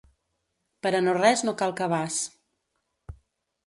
Per a no res no cal cabàs.